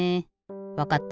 わかった。